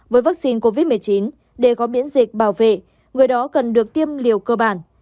với vaccine covid một mươi chín để có miễn dịch bảo vệ người đó cần được tiêm liều cơ bản